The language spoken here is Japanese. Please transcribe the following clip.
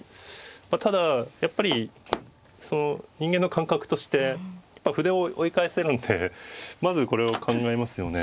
ただやっぱり人間の感覚として歩で追い返せるんでまずこれを考えますよね